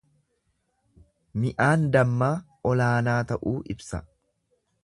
Mi'aan dammaa olaanaa ta'uu ibsa.